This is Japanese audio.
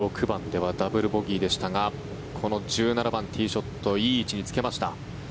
先ほどの１６番ではダブルボギーでしたがこの１７番、ティーショットいい位置につけました。